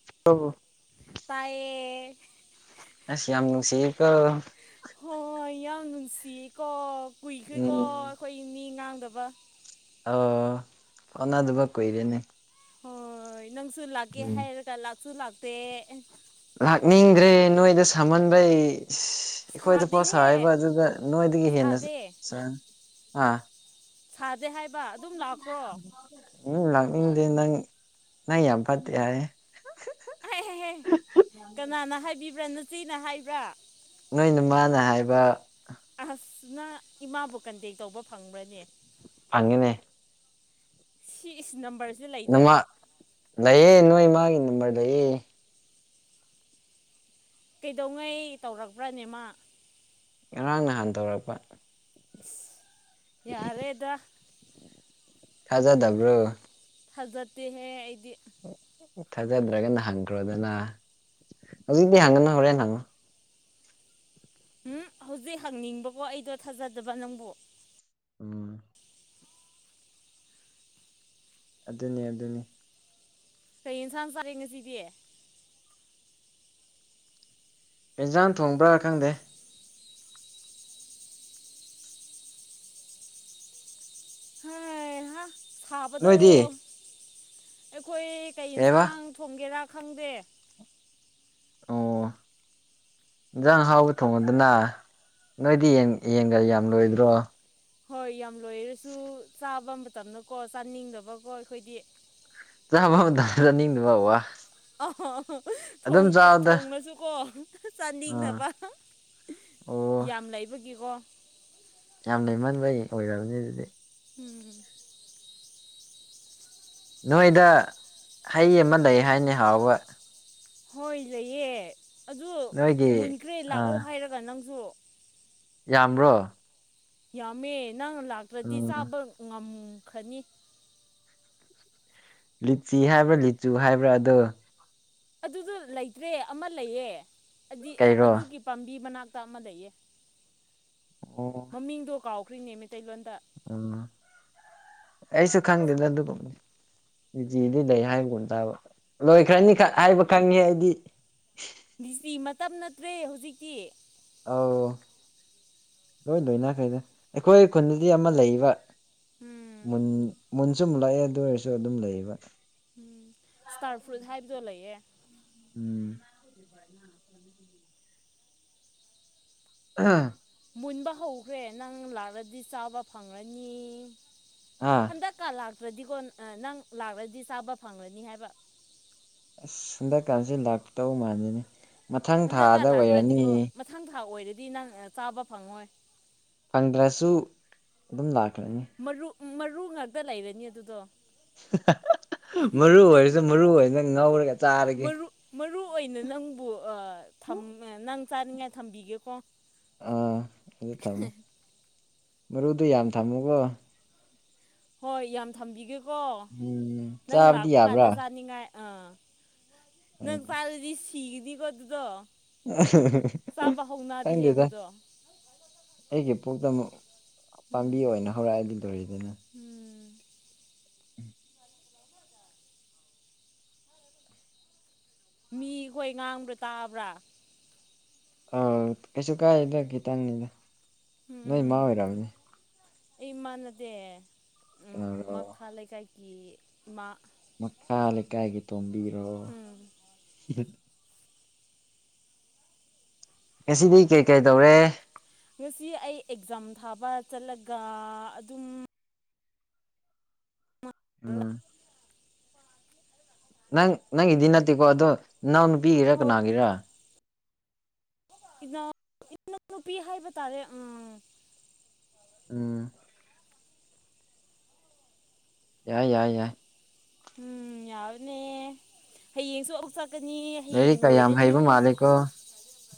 [unintelligible] ꯇꯥꯏꯌꯦ ꯑꯁ ꯌꯥꯝ ꯅꯨꯡꯁꯤꯌꯦ ꯀꯣ ꯍꯣꯏ ꯌꯥꯝ ꯅꯨꯡꯁꯤꯌꯦꯀꯣ ꯀꯨꯏꯈ꯭ꯔꯦꯀꯣ ꯎꯝ ꯑꯩꯈꯣꯏ ꯃꯤ ꯉꯥꯡꯗꯕ ꯑꯣ ꯐꯥꯎꯅꯗꯕꯥ ꯀꯨꯏꯔꯦꯅꯦ ꯍꯣꯏ ꯅꯪꯁꯨ ꯂꯥꯛꯀꯦ ꯎꯝ ꯍꯥꯏꯔꯒ ꯂꯥꯛꯁꯨ ꯂꯥꯛꯇꯦ ꯂꯥꯛꯅꯤꯡꯗ꯭ꯔꯦ ꯅꯣꯏꯗ ꯁꯥꯃꯟꯕꯩ ꯑꯩꯈꯣꯏꯗ ꯄꯣꯠ ꯁꯥꯗꯦꯍꯦ ꯁꯥꯥꯔꯤꯕ ꯑꯗꯨꯒ ꯅꯣꯏꯗꯒꯤ ꯍꯦꯟꯅ ꯁꯥꯗꯦ [unintelligible] ꯁꯥꯗꯦ ꯍꯥꯏꯕ ꯑꯗꯨꯝ ꯂꯥꯛꯈ꯭ꯔꯣ ꯎꯝ ꯂꯥꯛꯅꯤꯡꯗꯦ ꯅꯪ ꯅꯪ ꯌꯥꯝ ꯐꯠꯇꯦ ꯍꯥꯏ ꯍꯥꯏ ꯍꯥꯏꯍ ꯀꯅꯥꯅ ꯍꯥꯏꯕꯤꯕ꯭ꯔꯥ ꯅꯆꯦꯅ ꯍꯥꯏꯕ꯭ꯔꯥ ꯅꯣꯏ ꯅꯃꯥꯅ ꯍꯥꯏꯕ ꯑꯁ ꯅꯪ ꯏꯃꯥꯕꯨ ꯀꯟꯇꯦꯛ ꯇꯧꯕ ꯐꯪꯕ꯭ꯔꯅꯦ ꯐꯪꯉꯤꯅꯦ ꯁꯤ ꯏꯁ ꯅꯝꯕꯔꯁꯨ [unintelligible] ꯅꯃꯥ ꯂꯩꯌꯦ ꯅꯣꯏ ꯃꯥꯒꯤ ꯅꯝꯕꯔ ꯂꯩꯌꯦ ꯀꯩꯗꯧꯉꯩ ꯇꯧꯔꯛꯄ꯭ꯔꯥꯅꯦ ꯃꯥ ꯉꯔꯥꯡ ꯅꯍꯥꯟ ꯇꯧꯔꯛꯄ ꯏꯁ ꯌꯥꯔꯦꯗ ꯊꯥꯖꯗꯕ꯭ꯔꯣ ꯊꯥꯖꯗꯦ ꯍꯦ ꯑꯩꯗꯤ ꯊꯥꯖꯗ꯭ꯔꯒꯅ ꯍꯪꯈ꯭ꯔꯣ ꯑꯗꯨꯅ ꯍꯧꯖꯤꯛꯇꯤ ꯍꯪꯒꯅꯨ ꯍꯣꯔꯦꯟ ꯍꯪꯉꯣ ꯎꯝ ꯍꯧꯖꯤꯛ ꯍꯪꯅꯤꯡꯕꯀꯣ ꯑꯩꯗꯣ ꯊꯥꯖꯗꯕ ꯅꯪꯕꯨ ꯎꯝ ꯑꯗꯨꯅꯦ ꯑꯗꯨꯅꯤ ꯀꯩ ꯏꯟꯁꯥꯡ ꯆꯥꯔꯦ ꯉꯁꯤꯗꯤ ꯌꯦꯟꯖꯥꯡ ꯊꯣꯡꯕ꯭ꯔꯥ ꯈꯪꯗꯦ ꯍꯥ ꯍꯥ ꯁꯥꯕꯗꯣ ꯅꯣꯏꯗꯤ ꯑꯩꯈꯣꯏ ꯀꯩ ꯀꯩꯕ ꯌꯦꯟꯁꯥꯡ ꯊꯣꯡꯒꯦꯔꯥ ꯈꯪꯗꯦ ꯑꯣ ꯌꯦꯟꯖꯥꯡ ꯍꯥꯎꯕ ꯊꯣꯡꯉꯗꯅ ꯅꯣꯏꯗꯤ ꯌꯦꯟꯒ ꯌꯥꯝ ꯂꯣꯏꯗ꯭ꯔꯣ ꯍꯣꯏ ꯌꯥꯝ ꯂꯣꯏꯔꯁꯨ ꯆꯥꯕ ꯃꯇꯝꯗꯀꯣ ꯆꯥꯅꯤꯡꯗꯕꯀꯣ ꯑꯩꯈꯣꯏꯗꯤ ꯆꯥꯕ ꯃꯥꯇꯝꯗ ꯆꯥꯅꯤꯡꯗꯕ ꯋꯥ ꯑ ꯑ ꯑꯗꯨꯝ ꯊꯣꯡ ꯑꯦ ꯆꯥꯎꯗ ꯊꯣꯡꯂꯁꯨꯀꯣ ꯑꯥ ꯆꯥꯅꯤꯡꯅꯕ ꯑꯣ ꯌꯥꯝ ꯂꯩꯕꯒꯤꯀꯣ ꯌꯥꯝ ꯂꯩꯃꯟꯕ ꯑꯣꯏꯔꯝꯅꯤ ꯑꯗꯨꯗꯤ ꯎꯝ ꯅꯣꯏꯗ ꯍꯩ ꯑꯃ ꯂꯩ ꯍꯥꯏꯅꯦ ꯍꯥꯎꯕ ꯍꯣꯏ ꯂꯩꯌꯦ ꯑꯗꯨ ꯅꯣꯏꯒꯤ ꯃꯨꯟꯈ꯭ꯔꯦ ꯂꯥꯛꯑꯣ ꯑꯥ ꯍꯥꯏꯔꯒ ꯅꯪꯁꯨ ꯌꯥꯝꯕ꯭ꯔꯣ ꯌꯥꯝꯃꯦ ꯅꯪꯅ ꯂꯥꯛꯇ꯭ꯔꯗꯤ ꯎꯝ ꯆꯥꯕ ꯉꯝꯈꯔꯅꯤ ꯂꯤꯆꯤ ꯍꯥꯏꯕ꯭ꯔꯥ ꯂꯤꯆꯨ ꯍꯥꯏꯕ꯭ꯔꯥ ꯑꯗꯣ ꯑꯗꯨꯗꯣ ꯂꯩꯇ꯭ꯔꯦ ꯑꯃ ꯂꯩꯌꯦ ꯀꯩꯔꯣ ꯑꯗꯨꯒꯤ ꯄꯥꯝꯕꯤ ꯃꯅꯥꯛꯇ ꯑꯃ ꯂꯩꯌꯦ ꯑꯣ ꯃꯃꯤꯡꯗꯣ ꯀꯥꯎꯈ꯭ꯔꯤꯅꯦ ꯃꯩꯇꯩꯂꯣꯟꯗ ꯎꯝ ꯑꯩꯁꯨ ꯈꯪꯗꯦꯗ ꯑꯗꯨ ꯇꯤꯗꯤ ꯂꯩ ꯍꯥꯏꯕꯒꯨꯝ ꯇꯥꯕ ꯂꯣꯏꯈ꯭ꯔꯅꯤ ꯈ ꯍꯥꯏꯕ ꯈꯪꯉꯦ ꯑꯩꯗꯤ ꯗꯤꯁꯇꯤ ꯃꯇꯝ ꯅꯠꯇ꯭ꯔꯦ ꯍꯧꯖꯤꯛꯇꯤ ꯑꯧ ꯂꯣꯏ ꯂꯣꯏꯅꯈꯔ꯭ꯦꯗ ꯑꯩꯈꯣꯏ ꯈꯨꯟꯗꯗꯤ ꯑꯃ ꯂꯩꯕ ꯎꯝ ꯃꯨꯟ ꯃꯨꯟ ꯁꯨꯝ ꯃꯨꯜ ꯂꯛꯑꯦ ꯑꯗꯨ ꯑꯣꯏꯔꯁꯨ ꯑꯗꯨꯝ ꯂꯩꯌꯦꯕ ꯎꯝ ꯏꯁꯇꯥꯔ ꯐ꯭ꯔꯨꯏꯠ ꯍꯥꯏꯕꯗꯣ ꯂꯩꯌꯦ ꯎꯝ [inaudible] ꯑꯥ ꯃꯨꯟꯕ ꯍꯧꯈ꯭ꯔꯦ ꯅꯪ ꯂꯥꯛꯂꯗꯤ ꯆꯥꯕ ꯐꯪꯪꯂꯅꯤ ꯑꯥ ꯍꯟꯗꯛ ꯀ ꯂꯥꯛꯇ꯭ꯔꯗꯤꯀꯣ ꯅꯪ ꯂꯥꯛꯂꯗꯤ ꯆꯥꯕ ꯐꯪꯂꯅꯤ ꯍꯥꯏꯕ ꯑꯁ ꯍꯟꯗꯛꯀꯥꯟꯁꯤꯦ ꯂꯥꯛꯄꯇꯧ ꯃꯥꯥꯟꯂꯅꯤ ꯃꯊꯪ ꯍꯟꯗꯛꯀ ꯊꯥꯗ ꯑꯣꯏꯔꯅꯤ ꯂꯥꯛꯇ꯭ꯔꯗꯤꯀꯣ ꯃꯊꯪ ꯊꯥ ꯑꯣꯏꯔꯗꯤ ꯅꯪ ꯆꯥꯕ ꯐꯪꯉꯣꯏ ꯐꯪꯗ꯭ꯔꯁꯨ ꯑꯗꯨꯝ ꯂꯥꯛꯀꯅꯤ꯫ ꯃꯔꯨ ꯃꯔꯨ ꯉꯥꯛꯇ ꯂꯩꯔꯅꯤ ꯑꯗꯨꯗꯣ ꯃꯔꯨ ꯑꯣꯏꯔꯁꯨ ꯃꯔꯨ ꯑꯣꯏꯅ ꯉꯧꯔꯒ ꯆꯥꯔꯒꯦ ꯃꯔꯨ ꯃꯔꯨ ꯑꯣꯏꯅ ꯅꯪꯕꯨ ꯅꯪ ꯆꯥꯅꯤꯡꯉꯥꯏ ꯊꯝꯕꯤꯒꯦꯀꯣ ꯑꯥ ꯑꯗꯨ ꯊꯝꯃꯨ ꯃꯔꯨꯗꯨ ꯌꯥꯝ ꯊꯝꯃꯨꯀꯣ ꯍꯣꯏ ꯌꯥꯝ ꯊꯝꯕꯤꯒꯦꯀꯣ ꯎꯝ ꯅꯪ ꯆꯥꯕꯗꯤ ꯂꯥꯛꯄ ꯌꯥꯕ꯭ꯔꯥ ꯀꯥꯟꯗ ꯆꯥꯅꯤꯡꯉꯥꯏ ꯑꯥ ꯎꯝ ꯅꯪꯪ ꯄꯥꯜꯗꯤ ꯁꯤꯒꯅꯤꯀꯣ ꯑꯗꯨꯗꯣ ꯆꯥꯕ ꯍꯧꯅꯗꯤꯍꯦ ꯈꯪꯗꯦꯗ ꯑꯗꯨꯗꯣ ꯑꯩꯒꯤ ꯄꯨꯛꯇ ꯑꯃꯨꯛ ꯄꯥꯝꯕꯤ ꯎꯝ ꯑꯣꯏꯅ ꯍꯧꯔꯛꯑꯗꯤ ꯂꯣꯏꯔꯤꯗꯅ ꯎꯝ ꯎꯝ ꯃꯤꯈꯣꯏ ꯉꯥꯡꯕ꯭ꯔꯥ ꯇꯥꯕ꯭ꯔꯥ ꯑꯧ ꯀꯩꯁꯨ ꯀꯥꯏꯗ ꯈꯤꯇꯪꯅꯤꯗ ꯎꯝ ꯅꯣꯏ ꯃꯥ ꯎꯝꯝ ꯑꯣꯏꯔꯝꯅꯤ ꯑꯩꯃꯥꯟꯅꯗꯦ ꯎꯝ ꯀꯅꯥꯔꯣ ꯃꯈꯥ ꯂꯩꯀꯥꯏ ꯀ ꯃꯥ ꯃꯈꯥ ꯂꯩꯀꯥꯏꯒꯤ ꯇꯣꯝꯕꯤꯔꯣ ꯎꯝ ꯉꯁꯤꯗꯤ ꯀꯩ ꯀꯩ ꯇꯧꯔꯦ ꯉꯁꯤ ꯑꯩ ꯑꯦꯛꯖꯥꯝ ꯊꯥꯕ ꯆꯠꯂꯒ ꯑꯗꯨꯝ ꯎꯝ ꯅꯪ ꯅꯪꯒꯤꯗꯤ ꯅꯠꯇꯦꯀꯣ ꯑꯗꯣ ꯅꯅꯥꯎ ꯅꯨꯄꯤꯒꯤꯔ ꯍꯣꯏ ꯀꯅꯥꯒꯤꯔꯥ ꯏꯅꯥꯎ ꯏꯎ ꯅꯨꯨꯄꯤ ꯍꯥꯏꯕ ꯇꯥꯔꯦ ꯎ ꯎꯝ ꯌꯥꯏ ꯌꯥꯏ ꯌꯥꯏ ꯎꯝ ꯌꯥꯎꯅꯦ ꯍꯌꯦꯡꯁꯨ ꯆ ꯆꯒꯅꯤ ꯍꯌꯦꯡ ꯂꯥꯏꯔꯤꯛꯀ ꯌꯥꯝ ꯑꯣꯏꯣꯏꯔꯅꯤ ꯍꯩꯕ ꯃꯥꯜꯂꯦꯀꯣ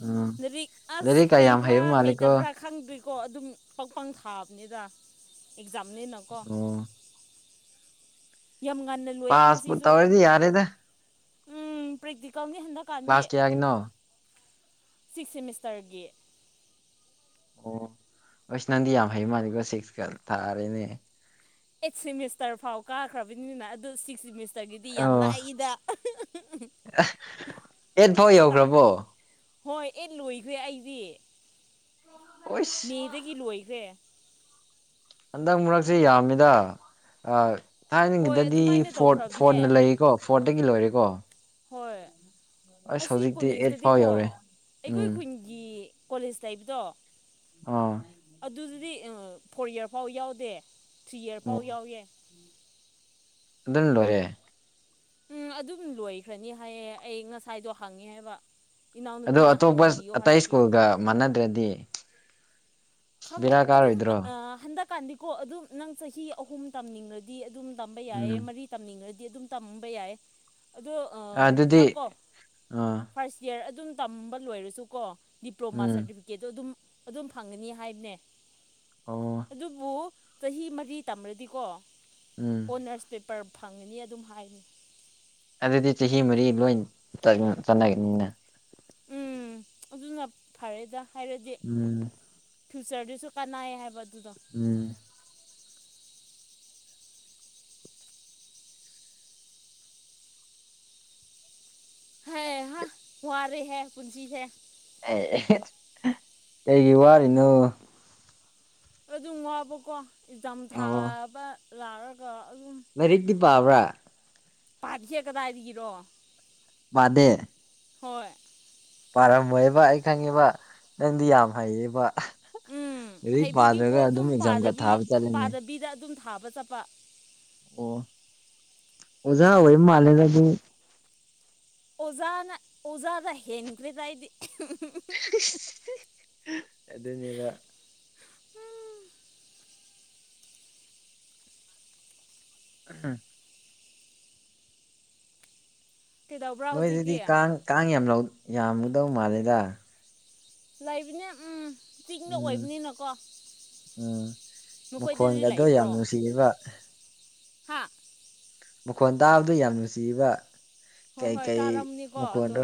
ꯎꯝ ꯂꯔꯤꯛ ꯑꯁ ꯂꯥꯏꯔꯤꯛꯀ ꯌꯥꯝ ꯍꯩꯕ꯭ꯔꯥ ꯍꯩꯕ ꯃꯥꯜꯂꯦꯀꯣ ꯍꯩꯇꯕ꯭ꯔꯥ ꯈꯪꯗ꯭ꯔꯤꯀꯣ ꯑꯗꯨꯝ ꯄꯪ ꯄꯪ ꯊꯥꯕꯅꯤꯗ ꯑꯦꯛꯖꯥꯝꯅꯤꯅꯀꯣ ꯑꯣꯣ ꯌꯥꯝ ꯉꯟꯅ ꯂꯣꯏꯌꯦꯦ ꯄꯥꯁꯄꯨ ꯉꯁꯤꯁꯨ ꯇꯧꯔꯗꯤ ꯌꯥꯔꯦꯗ ꯎꯝ ꯄ꯭ꯔꯦꯛꯇꯤꯀꯦꯜꯅꯤ ꯍꯟꯗꯛ ꯀ ꯀꯥꯟꯗꯤ ꯀ꯭ꯂꯥꯁ ꯀꯌꯥꯒꯤꯅꯣ ꯁꯤꯛꯁ ꯁꯦꯃꯤꯁꯇꯔꯒꯤ ꯑꯣ ꯑꯁ ꯅꯪꯗꯤ ꯌꯥꯝ ꯍꯩ ꯃꯥꯥꯟꯜꯂꯤꯀꯣ ꯁꯤꯛꯁꯀ ꯊꯥꯔꯦꯅꯦ ꯑꯩꯠ ꯁꯦꯃꯤꯁꯇꯔ ꯐꯥꯎ ꯀꯥꯈ꯭ꯔꯕꯅꯤꯅꯤꯅ ꯑꯗꯨ ꯁꯤꯛꯁ ꯁꯦꯃꯤꯁꯇꯔꯒꯤꯗꯤ ꯌꯥꯝ ꯑꯣ ꯂꯥꯛꯏꯗ ꯑꯦꯠ ꯐꯥꯎ ꯌꯧꯈ꯭ꯔꯕꯣ ꯍꯣꯏ ꯑꯦ ꯂꯣꯏꯈ꯭ꯔꯦ ꯑꯩꯗꯤ ꯀꯣꯏꯁ ꯃꯦꯗꯒꯤ ꯂꯣꯏꯈ꯭ꯔꯦ ꯍꯟꯗꯛ ꯃꯔꯛꯁꯦ ꯌꯥꯝꯃꯤꯗ ꯍꯣꯏ ꯊꯥꯏꯅꯒꯤꯗꯗꯤ ꯑꯗꯨꯃꯥꯏꯅ ꯐꯣꯔꯠ ꯇꯧꯈ꯭ꯔꯕꯅꯦ ꯐꯣꯔꯠꯅ ꯂꯩꯔꯤꯀꯣ ꯐꯣꯔꯠꯇꯒꯤ ꯂꯣꯏꯔꯦꯀꯣ ꯍꯣꯏ ꯑꯁ ꯑꯁꯤ ꯍꯧꯖꯤꯛꯇꯤ ꯑꯩꯠ ꯐꯥꯎ ꯀꯣꯂꯦꯖꯇꯗꯤꯀꯣ ꯌꯧꯔꯦ ꯑꯩꯈꯣꯏ ꯎꯝ ꯈꯨꯟ ꯒꯤ ꯀꯣꯂꯦꯖ ꯂꯩꯕꯗꯣ ꯑꯣ ꯑꯗꯨꯗꯨꯗꯤ ꯐꯣꯔ ꯏꯌꯥꯔ ꯐꯥꯎ ꯌꯥꯎꯗꯦ ꯊ꯭ꯔꯤ ꯏꯌꯥꯔ ꯑꯣ ꯐꯥꯎ ꯌꯥꯎꯌꯦꯦ ꯑꯗꯨ ꯂꯔꯦ ꯎꯝ ꯑꯗꯨꯝ ꯂꯣꯏꯈ꯭ꯔꯅꯤ ꯍꯥꯏꯌꯦ ꯑꯩ ꯉꯁꯥꯏꯗꯣ ꯍꯪꯉꯤ ꯍꯥꯏꯕ ꯑꯗ ꯏꯅꯥꯎꯅꯨꯄꯤꯅ ꯑꯇꯣꯞꯄ ꯍꯪꯕꯤꯌꯣ ꯑꯇꯩ ꯍꯥꯏꯕꯒꯤ ꯁ꯭ꯀꯨꯜꯒ ꯃꯥꯟꯅꯗ꯭ꯔꯗꯤ ꯕꯦꯔꯥ ꯑꯗꯨꯝ ꯀꯥꯔꯣꯏꯗ꯭ꯔꯣ ꯍꯟꯗꯛꯀꯥꯟꯗꯤꯀꯣ ꯑꯗꯨꯝ ꯅꯪ ꯆꯍꯤ ꯑꯍꯨꯝ ꯇꯝꯅꯤꯡꯉꯗꯤ ꯑꯗꯨꯝ ꯇꯝꯕ ꯎꯝ ꯌꯥꯏ ꯃꯔꯤ ꯇꯝꯅꯤꯡꯉꯗꯤ ꯑꯗꯨꯝ ꯇꯝꯕ ꯌꯥꯏ ꯑꯗꯣ ꯑꯗꯨꯗꯤ ꯅꯪꯀꯣ ꯑꯥ ꯐꯥꯔꯁ ꯏꯌꯥꯔ ꯑꯗꯨꯝ ꯇꯝꯕ ꯂꯣꯏꯔꯁꯨꯀꯣ ꯗꯤꯄ꯭ꯂꯣꯃꯥ ꯎꯝ ꯁꯥꯔꯇꯤꯐꯤꯀꯦꯠꯇꯣ ꯑꯗꯨꯝ ꯑꯗꯨꯝ ꯐꯪꯒꯅꯤ ꯍꯥꯏꯕꯅꯦ ꯑꯣ ꯑꯗꯨꯕꯨ ꯆꯍꯤ ꯃꯔꯤ ꯇꯝꯃ꯭ꯔꯗꯤꯀꯣ ꯎꯝ ꯑꯣꯅꯔꯁ ꯄꯦꯄꯔ ꯐꯪꯉꯅꯤ ꯑꯗꯨꯝ ꯍꯥꯏꯅꯤ ꯑꯗꯨꯗꯤ ꯆꯍꯤ ꯃꯔꯤ ꯂꯣꯏ ꯆꯠꯅꯒꯅꯤꯅ ꯎꯝ ꯑꯗꯨꯅ ꯐꯔꯦꯗ ꯍꯥꯏꯔꯗꯤ ꯎꯝ ꯐ꯭ꯌꯨꯆꯔꯗꯨꯁꯨ ꯀꯥꯟꯅꯥꯩꯌꯦ ꯍꯥꯏꯕ ꯑꯗꯨꯗꯣ ꯎꯝ ꯍꯥꯏ ꯍꯥ ꯃꯨꯔꯦ ꯍꯥꯏ ꯄꯨꯟꯁꯤ ꯍꯥꯏ ꯑꯦ ꯀꯩꯒꯤ ꯋꯥꯅꯣ ꯑꯗꯨꯝ ꯋꯥꯕꯀꯣ ꯑꯦꯛꯖꯥꯝ ꯑꯣ ꯊꯥꯕ ꯂꯥꯛꯑꯒ ꯑꯗꯨꯝ ꯂꯥꯏꯔꯤꯛꯇꯤ ꯄꯥꯕ꯭ꯔꯥ ꯄꯥꯕꯤꯁꯦ ꯀꯗꯥꯏꯗꯒꯤꯔꯣ ꯋꯥꯗꯦ ꯍꯣꯏ ꯄꯥꯔꯝꯃꯣꯏꯕ ꯑꯩ ꯈꯪꯉꯤꯕ ꯅꯪꯗꯤ ꯌꯥꯝ ꯍꯩꯌꯦꯕ [unintelligible] ꯎꯝ ꯂꯥꯏꯔꯤꯛ ꯄꯥꯗ꯭ꯔꯒ ꯑꯗꯨꯝ ꯑꯦꯛꯖꯥꯝꯒ ꯊꯥꯕ ꯖꯥꯠꯂꯥꯅꯦ ꯕꯤꯗ ꯑꯗꯨꯝ ꯊꯥꯕ ꯆꯠꯄ ꯑꯣ ꯑꯣꯖꯥ ꯑꯣꯏꯕ ꯃꯥꯜꯂꯦꯗ ꯑꯗꯨ ꯑꯣꯖꯥꯅ ꯑꯣꯖꯥꯗ ꯍꯦꯟꯈ꯭ꯔꯦꯗ ꯑꯩꯗꯤ [unintelligible] ꯑꯗꯨꯅꯦꯕ ꯎꯝ ꯀꯩꯗꯧꯕ꯭ꯔꯥ ꯍꯧꯖꯤꯛꯇꯤ ꯅꯣꯏꯗꯗꯤ ꯀꯥꯡ ꯀꯥꯡ ꯌꯥꯝ ꯌꯥꯝ ꯌꯥꯝꯒꯗꯧ ꯃꯥꯜꯂꯦꯗ ꯂꯩꯕꯅꯦ ꯎꯝ ꯆꯤꯡꯗ ꯎꯝ ꯑꯣꯏꯕꯅꯤꯅꯀꯣ ꯎꯝ ꯅꯈꯣꯏꯗꯗꯤ ꯃꯈꯣꯟꯒꯗꯣ ꯌꯥꯝ ꯂꯩꯇ꯭ꯔꯣ ꯅꯨꯡꯁꯤꯔꯤꯕ ꯍꯥ ꯃꯈꯣꯟ ꯇꯥꯕꯗꯣ ꯌꯥꯝ ꯅꯨꯡꯁꯤꯕ ꯍꯣꯏ ꯀꯩ ꯍꯣꯏ ꯀꯩ ꯇꯥꯔꯝꯅꯤꯀꯣ ꯑꯗꯣ ꯃꯈꯣꯟꯔꯣ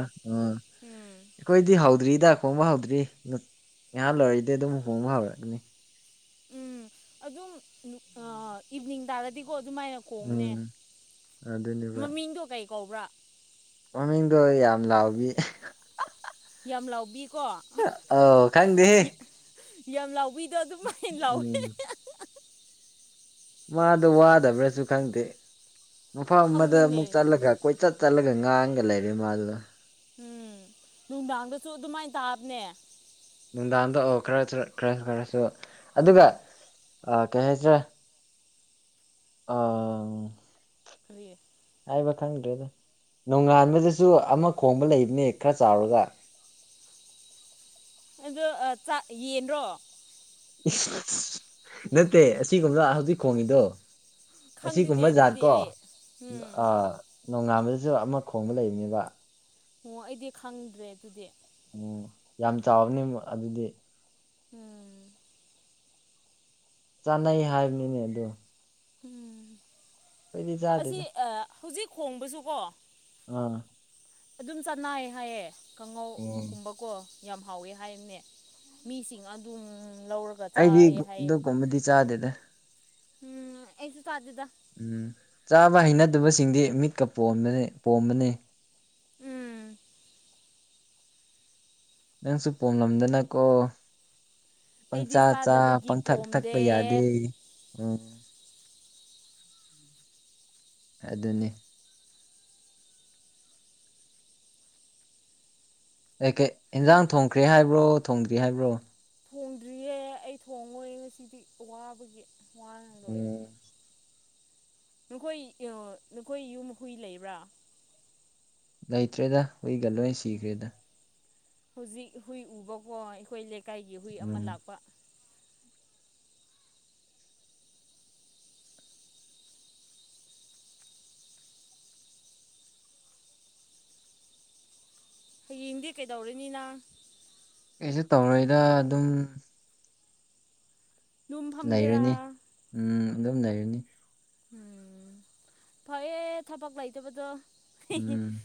ꯎꯝ ꯑꯩꯈꯣꯏꯗꯤ ꯍꯧꯗ꯭ꯔꯤꯗ ꯈꯣꯡꯕ ꯍꯧꯗ꯭ꯔꯤ ꯉꯍꯥꯛ ꯂꯣꯏꯔꯛꯏꯗꯤ ꯑꯗꯨꯝ ꯍꯣꯡꯕ ꯍꯧꯔꯛꯑꯅꯤ ꯎꯝ ꯑꯗꯨꯝ ꯑ ꯏꯚꯤꯅꯤꯡ ꯇꯥꯔꯗꯤꯀꯣ ꯑꯗꯨꯃꯥꯏꯅ ꯈꯣꯡꯅꯦ ꯎꯝ ꯑꯗꯨꯅꯦꯕ ꯃꯃꯤꯡꯗꯣ ꯀꯩ ꯀꯧꯕ꯭ꯔꯥ ꯃꯃꯤꯡꯗꯣ ꯌꯥꯝ ꯂꯥꯎꯕꯤ ꯌꯥꯝ ꯂꯥꯎꯕꯤꯀꯣ ꯑꯧ ꯈꯪꯗꯦꯍꯦ ꯌꯥꯝ ꯂꯥꯎꯕꯤꯗꯣ ꯑꯗꯨꯃꯥꯏꯅ ꯂꯥꯎꯋꯦ ꯎꯝ ꯃꯥꯗꯣ ꯋꯥꯗꯕ꯭ꯔꯁꯨ ꯈꯪꯗꯦ ꯃꯐꯝ ꯑꯃꯗ ꯈꯪꯉꯤꯅꯦ ꯑꯃꯨꯛ ꯆꯠꯂꯒ ꯀꯣꯏꯆꯠ ꯆꯠꯂꯒ ꯉꯥꯡꯉꯒ ꯂꯩꯔꯦ ꯃꯥꯗꯨ ꯎꯝ ꯅꯨꯡꯗꯥꯡꯗꯁꯨ ꯑꯗꯨꯃꯥꯏꯅ ꯇꯥꯕꯅꯦ ꯅꯨꯡꯗꯥꯡꯗ ꯑꯣ ꯈꯔ ꯈꯔ ꯈꯔꯁꯨ ꯑꯗꯨꯒ ꯎꯝ ꯀꯩ ꯍꯥꯏꯁꯤꯔ ꯑꯥ [unintelligible] ꯍꯥꯏꯕ ꯈꯪꯗ꯭ꯔꯦꯗ ꯅꯣꯡꯉꯥꯟꯕꯗꯁꯨ ꯑꯃ ꯈꯣꯡꯕ ꯂꯩꯕꯅꯦ ꯈꯔ ꯆꯥꯎꯔꯒ ꯑꯗꯣ ꯆꯥꯛ ꯌꯦꯟꯔꯣ ꯏꯁ ꯅꯠꯇꯦ ꯑꯁꯤꯒꯨꯝꯕꯗ ꯍꯧꯖꯤꯛ ꯈꯣꯡꯉꯤꯗꯣ ꯈꯪꯗꯦꯅꯦ ꯑꯁꯤꯒꯨꯝꯕ ꯖꯥꯠ ꯑꯗꯨꯗꯤ ꯀꯣ ꯑꯩ ꯎꯝ ꯑ ꯅꯣꯡꯉꯥꯟꯕꯗꯁꯨ ꯑꯃ ꯈꯣꯡꯕ ꯂꯩꯕꯅꯦꯕ ꯑꯣ ꯑꯩꯗꯤ ꯈꯪꯗ꯭ꯔꯦ ꯑꯗꯨꯗꯤ ꯎꯝ ꯌꯥꯝ ꯆꯥꯎꯕꯅꯤ ꯑꯗꯨꯗꯤ ꯎꯝ ꯆꯥꯅꯩ ꯍꯥꯏꯕꯅꯤꯅꯦ ꯑꯗꯣ ꯎꯝ ꯑꯩꯈꯣꯏꯗꯤ ꯑꯁꯤ ꯆꯥꯗꯦꯗ ꯑ ꯍꯧꯖꯤꯛ ꯈꯣꯡꯕꯁꯨꯀꯣ ꯑꯥ ꯑꯗꯨꯝ ꯆꯥꯟꯅꯩ ꯍꯥꯏꯌꯦꯦ ꯀꯥꯡꯉꯧ ꯑꯣ ꯀꯨꯝꯕ ꯀꯣ ꯌꯥꯝ ꯍꯥꯎꯋꯦ ꯍꯥꯏꯕꯅꯦ ꯃꯤꯁꯤꯡ ꯑꯗꯨꯝ ꯂꯧꯔ ꯑꯩꯗꯤ ꯑꯗꯨꯒꯀꯨꯝꯕꯗꯤ ꯆꯥꯗꯦꯗ ꯎꯝ ꯑꯦꯁꯨ ꯆꯥꯗꯦꯗ ꯎꯝ ꯆꯥꯕ ꯍꯩꯅꯗꯕꯁꯤꯡꯗꯤ ꯃꯤꯠꯀ ꯄꯣꯝꯕꯅꯤ ꯄꯣꯝꯕꯅꯤ ꯎꯝ ꯅꯪꯁꯨ ꯄꯣꯝꯂꯝꯗꯅꯀꯣ ꯑꯩꯗꯤ ꯄꯪꯆꯥ ꯆꯥ ꯆꯥꯗꯕꯒꯤ ꯄꯪꯊꯛ ꯊꯛꯄ ꯄꯣꯝꯗꯦ ꯌꯥꯗꯦ ꯎꯝ ꯑꯗꯨꯅꯤ ꯑꯩ ꯀꯩ ꯏꯟꯖꯥꯡ ꯊꯣꯡꯈ꯭ꯔꯦ ꯍꯥꯏꯕ꯭ꯔꯣ ꯊꯣꯡꯗꯦ ꯍꯥꯏꯕ꯭ꯔꯣ ꯊꯣꯡꯗ꯭ꯔꯤꯌꯦ ꯑꯩ ꯊꯣꯡꯉꯣꯏ ꯉꯁꯤꯗꯤ ꯋꯥꯕꯒꯤ ꯋꯥꯔ ꯂꯣꯏꯔꯦ ꯎꯝ ꯅꯈꯣꯏ ꯎꯝ ꯅꯈꯣꯏ ꯌꯨꯝ ꯍꯨꯏ ꯂꯩꯕ꯭ꯔꯥ ꯂꯩꯇ꯭ꯔꯦꯗ ꯍꯨꯏꯒ ꯂꯣꯏ ꯁꯤꯈ꯭ꯔꯦꯗ ꯍꯧꯖꯤꯛ ꯍꯨꯏ ꯎꯕꯀꯣ ꯑꯩꯈꯣꯏ ꯂꯩꯀꯥꯏꯒꯤ ꯍꯨꯏ ꯑꯃ ꯎꯝ ꯂꯥꯛꯄ ꯍꯌꯦꯡꯗꯤ ꯀꯩꯗꯧꯔꯅꯤꯅ ꯑꯩꯁꯦ ꯇꯧꯔꯣꯏꯗ ꯑꯗꯨꯝ ꯌꯨꯝ ꯐꯝꯒꯦꯔꯥ ꯂꯩꯔꯅꯤ ꯎꯝ ꯑꯗꯨꯝ ꯂꯩꯔꯅꯤ ꯎꯝ ꯐꯩꯌꯦ ꯊꯕꯛ ꯂꯩꯇꯕꯗꯣ ꯎꯝ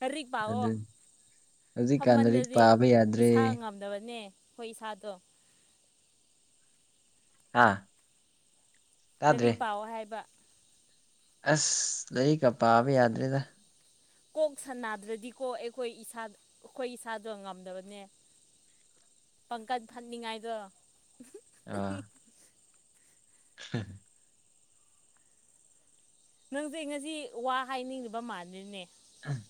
ꯀꯔꯤꯛ ꯄꯥꯛꯑꯣ ꯑꯗꯨꯅꯤ ꯍꯧꯖꯤꯛꯀꯥꯟ ꯂꯥꯏꯔꯤꯛ ꯁꯃꯟꯗꯗꯤ ꯄꯥꯕ ꯌꯥꯗ꯭ꯔꯦ ꯏꯁꯥ ꯉꯝꯗꯕꯅꯦ ꯑꯩꯈꯣꯏ ꯏꯁꯥꯗꯣ ꯍꯥꯥ ꯂꯥꯏꯔꯤꯛ ꯄꯥꯎꯑꯣ ꯍꯥꯏꯕ ꯑꯁ ꯂꯥꯏꯔꯤꯛꯀ ꯄꯥꯕ ꯌꯥꯗ꯭ꯔꯦꯗ ꯀꯣꯛ ꯁꯟꯅꯥꯗ꯭ꯔꯗꯤꯀꯣ ꯑꯩꯈꯣꯏ ꯏꯁꯥ ꯑꯩꯈꯣꯏ ꯏꯁꯥꯗꯣ ꯉꯝꯗꯕꯅꯦ ꯄꯪꯀꯠ ꯐꯠꯅꯤꯡꯉꯥꯏꯗꯣ ꯑ ꯍꯝ ꯅꯪꯁꯦ ꯉꯁꯤ ꯋꯥ ꯍꯥꯏꯅꯤꯡꯂꯤꯤꯕ ꯃꯥꯟꯗ꯭ꯔꯤꯅꯦ ꯎꯝ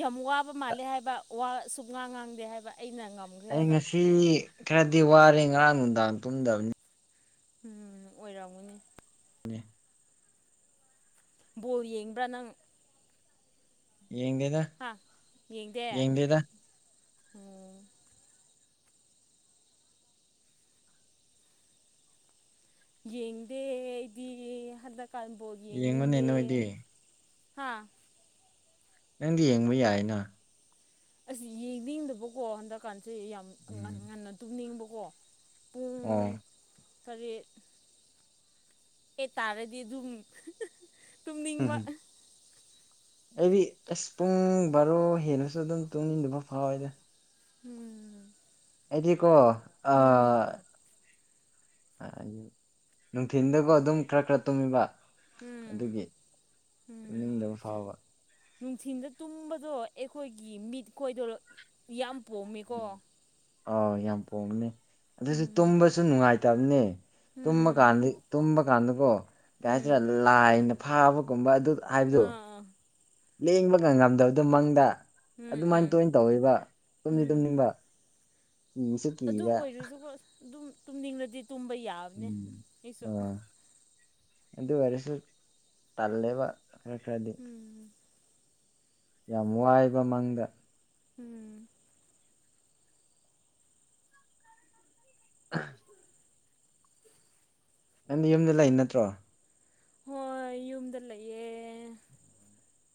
ꯌꯥꯝ ꯋꯥꯕ ꯃꯥꯜꯂꯦ ꯍꯥꯏꯕ ꯋꯥ ꯁꯨ ꯉꯥꯡ ꯉꯥꯡꯗꯦ ꯍꯥꯏꯕ ꯑꯩꯅ ꯉꯝꯒꯦ ꯑꯩ ꯉꯁꯤ ꯈꯔꯗꯤ ꯋꯥꯔꯦ ꯉꯔꯥꯡ ꯅꯨꯡꯗꯥꯡ ꯇꯨꯝꯗꯕꯅꯤ ꯎꯝ ꯑꯣꯏꯔꯝꯒꯅꯤ ꯕꯣꯜ ꯌꯦꯡꯕ꯭ꯔꯥ ꯅꯪ ꯌꯦꯡꯦꯗ ꯍꯥꯥ ꯌꯦꯡꯡꯗꯦ ꯎꯝ ꯌꯦꯡꯗꯦ ꯑꯩꯗꯤ ꯍꯔꯗꯀꯥꯔꯕꯣꯔꯠ ꯌꯦꯡꯉꯨꯅꯦ ꯌꯦꯡꯅꯤꯡꯗꯦ ꯅꯣꯏꯗꯤ ꯍꯥꯥ ꯅꯪꯗꯤ ꯌꯦꯡꯕ ꯌꯥꯏꯅ ꯑꯁꯤ ꯌꯦꯡꯅꯤꯡꯗꯕꯀꯣ ꯍꯟꯗꯛꯀꯥꯟꯁꯦ ꯌꯥꯝ ꯎꯝ ꯉꯟꯅ ꯇꯨꯝꯅꯤꯡꯕꯀꯣ ꯄꯨꯡ ꯑꯣ ꯁꯔꯦꯠ ꯀꯇꯥꯥꯔꯗꯤ ꯑꯗꯨꯝ ꯇꯨꯝꯅꯤꯡꯕ ꯍꯝ ꯑꯩꯗꯤ ꯑꯁ ꯄꯨꯡ ꯕꯥꯔꯣ ꯍꯦꯟꯅꯁꯨ ꯑꯗꯨꯝ ꯇꯨꯡꯅꯤꯡꯟꯗꯕ ꯐꯥꯎꯋꯦꯗ ꯎꯝ ꯍꯥꯏꯗꯤꯀꯣ ꯑ ꯎꯝ ꯅꯨꯡꯊꯤꯤꯟꯗꯒ ꯑꯗꯨꯝ ꯈꯔ ꯈꯔ ꯇꯨꯝꯃꯤꯕ ꯎꯝ ꯑꯗꯨꯒꯤ ꯎꯝ ꯇꯅꯤꯡꯗꯕ ꯐꯥꯎꯕ ꯅꯨꯡꯊꯤꯟꯗ ꯇꯨꯝꯕꯗꯣ ꯑꯩꯈꯣꯏꯒꯤ ꯃꯤꯠ ꯈꯣꯏꯗꯣ ꯌꯥꯝ ꯄꯣꯝꯃꯤꯀꯣ ꯑ ꯌꯥꯝ ꯄꯣꯕꯅꯦ ꯑꯗꯨꯁꯨ ꯎꯝ ꯇꯨꯝꯕꯁꯨ ꯅꯨꯡꯉꯥꯏꯇꯕꯅꯦ ꯇꯨꯝꯕ ꯎꯝ ꯀꯥꯟꯗ ꯇꯨꯝꯕ ꯀꯥꯟꯗꯀꯣ ꯀꯩ ꯎꯝ ꯍꯥꯏꯇꯥꯔꯦ ꯂꯥꯏꯅ ꯐꯥꯕꯒꯨꯝꯕ ꯑꯗꯨ ꯍꯥꯏꯕꯗꯣ ꯑꯥ ꯑꯥ ꯂꯦꯡꯕꯒ ꯉꯝꯗꯕꯗꯨ ꯃꯪꯗ ꯎꯝ ꯑꯗꯨꯃꯥꯏꯟ ꯎꯝ ꯇꯣꯏꯅ ꯇꯧꯋꯦꯕ ꯇꯨꯝꯗꯤ ꯎꯝ ꯇꯨꯝꯅꯤꯡꯕ ꯀꯤꯁꯨ ꯑꯗꯨ ꯀꯤꯕ ꯑꯣꯏꯔꯁꯨꯀꯣ ꯑꯗꯨꯝ ꯇꯨꯝꯅꯤꯡꯂꯗꯤ ꯇꯨꯝꯕ ꯌꯥꯕꯅꯦ ꯎꯝ ꯑꯩꯁꯨ ꯑꯣ ꯑꯗꯨ ꯑꯣꯏꯔꯁ ꯇꯜꯂꯦꯕ ꯈꯔ ꯈꯔꯗꯤ ꯎꯝ ꯌꯥꯝ ꯋꯥꯏꯕ ꯃꯪꯗ ꯎꯝ [unintelligible] ꯅꯪꯗꯤ ꯌꯨꯝꯗ ꯂꯩ ꯅꯠꯇ꯭ꯔꯣ ꯍꯣꯏ ꯌꯨꯝꯗ ꯂꯩꯌꯦ